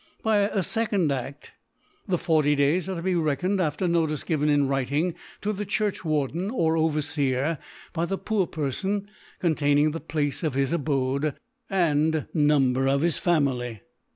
By a fccond Aft f*, the 40 Days are to be reckoned after Notice given in Writing to the Churchwarden or Overfeer by the poor Perfon, containing the Place of his Abode, Number of his Family, &fr.